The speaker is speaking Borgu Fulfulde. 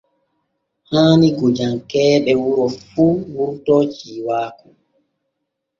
Haani gojankee ɓe gure fu wurto ciiwaaku.